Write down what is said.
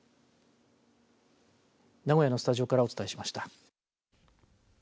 名古屋のスタジオからお伝えしました。